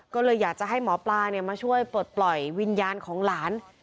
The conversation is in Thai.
ก็เลยอยากจะให้หมอปลามาช่วยปลดปล่อยวิญญาณของหลาน